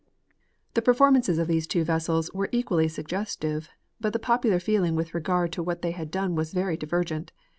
The performances of these two vessels were equally suggestive, but the popular feeling with regard to what they had done was very divergent.